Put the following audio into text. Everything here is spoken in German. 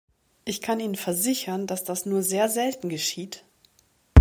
Ich kann Ihnen versichern, dass das nur sehr selten geschieht!